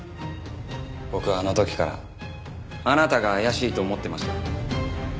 僕はあの時からあなたが怪しいと思ってました。